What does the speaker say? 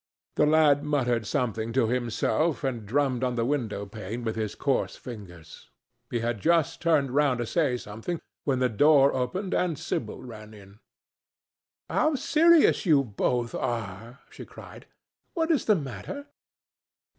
The lad muttered something to himself and drummed on the window pane with his coarse fingers. He had just turned round to say something when the door opened and Sibyl ran in. "How serious you both are!" she cried. "What is the matter?"